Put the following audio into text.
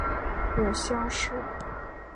母萧氏。